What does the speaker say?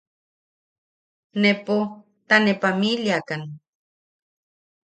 Nepo ta ne pamiliakan.